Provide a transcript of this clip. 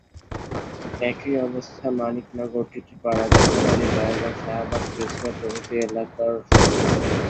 একই অবস্থা মানিকনগর টিটি পাড়া, যাত্রাবাড়ী, দয়াগঞ্জ, শাহবাগ, তেজগাঁও প্রভৃতি এলাকার সড়কে।